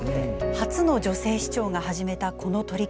初の女性市長が始めたこの取り組み。